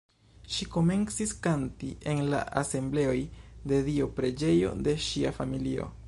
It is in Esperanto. Ŝi komencis kanti en la Asembleoj de Dio preĝejo de ŝia familio.